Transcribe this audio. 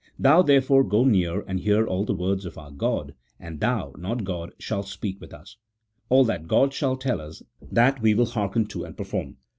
Thou, therefore, go near, and hear all the words of our God, and thou (not God) shalt speak with us: all that God shall tell us, that will we hearken to and perform."